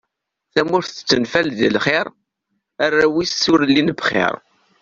Tamurt tettenfal deg lxir, arraw-is ur llin bxir.